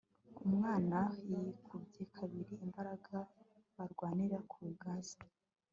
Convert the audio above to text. umwana yikubye kabiri imbaraga. barwanira ku ngazi